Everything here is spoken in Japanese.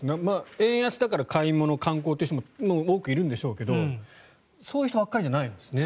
円安だから買い物、観光という人も多くいるんでしょうけどそういう人ばかりではないんですね。